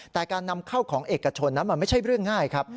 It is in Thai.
แต่การนำเข้าของเอกชนนั้นมันไม่ใช่เรื่องง่ายครับ